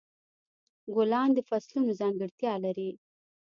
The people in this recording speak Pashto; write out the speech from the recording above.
ګلان د فصلونو ځانګړتیا لري.